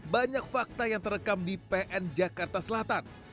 banyak fakta yang terekam di pn jakarta selatan